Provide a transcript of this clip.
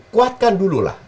kuatkan dulu lah